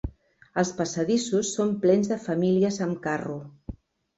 Els passadissos són plens de famílies amb carro.